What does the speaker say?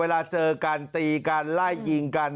เวลาเจอกันตีกันไล่ยิงกัน